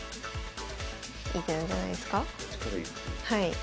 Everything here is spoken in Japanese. はい。